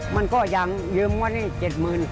มันก็ยังยืมว่านี่๗หมื่น